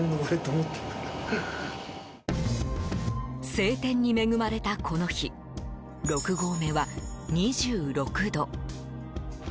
晴天に恵まれたこの日、６合目は２６度。